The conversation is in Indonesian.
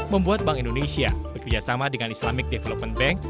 membuat bank indonesia bekerjasama dengan islamic development bank